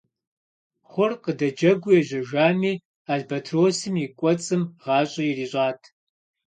Хъур къыдэджэгуу ежьэжами, албатросым и кӀуэцӀым гъащӀэ ирищӀат.